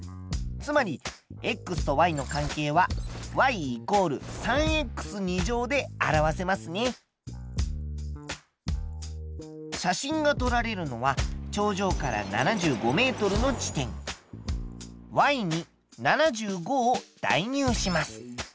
つまりとの関係は写真が撮られるのは頂上から７５ｍの地点。に７５を代入します。